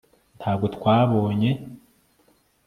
ntabwo twabonye